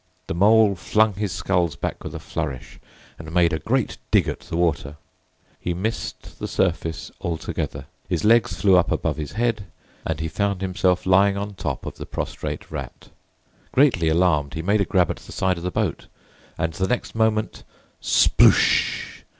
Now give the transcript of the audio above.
The Mole flung his sculls back with a flourish, and made a great dig at the water. He missed the surface altogether, his legs flew up above his head, and he found himself lying on the top of the prostrate Rat. Greatly alarmed, he made a grab at the side of the boat, and the next moment—Sploosh!